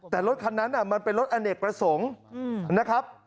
แต่รถคันนั้นมันเป็นรถอเนกประสงค์นะครับ